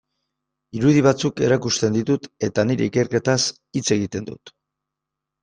Irudi batzuk erakusten ditut eta nire ikerketaz hitz egiten dut.